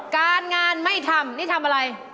การงานไม่ทำนี่ทำอะไร